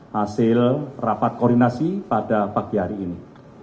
hasil rapat koordinasi pada pagi hari ini